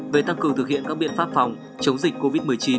về tăng cường thực hiện các biện pháp phòng chống dịch covid một mươi chín